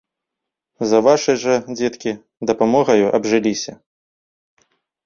За вашай жа, дзеткі, дапамогаю абжыліся.